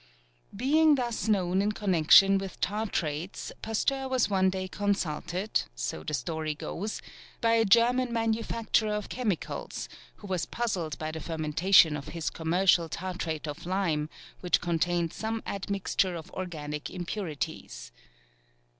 Being thus known in connection with tartrates, Pasteur was one day consulted, so the story goes, by a German manufacturer of chemicals, who was puzzled by the fermentation of his commercial tartrate of lime, which contained some admixture of organic impurities.